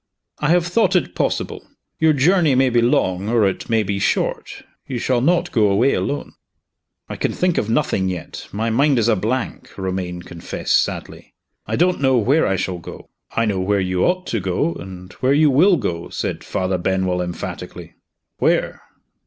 "I have thought it possible. Your journey may be long, or it may be short you shall not go away alone." "I can think of nothing yet; my mind is a blank," Romayne confessed sadly. "I don't know where I shall go." "I know where you ought to go and where you will go," said Father Benwell, emphatically. "Where?"